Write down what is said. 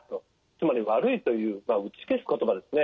つまり悪いという打ち消す言葉ですね。